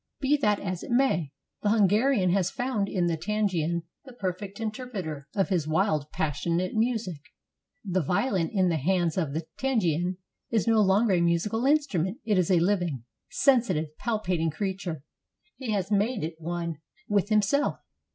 Be that as it may, the Hungarian has found in the Tzigane the perfect interpreter of his wild, passionate music. The violin in the hands of the Tzigane is no longer a musical instrument; it is a living, sensitive, palpitating creature. He has made it one with himself.